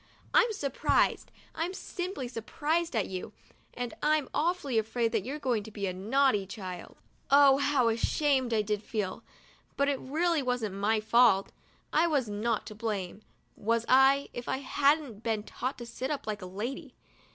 I'm surprised, I'm simply surprised at you, and I'm awfully afraid that you're going to be a naughty child !' Oh, how ashamed I did feel; but it really wasn't my fault. I was not to blame, was I, if I hadn't been taught to sit up like a lady?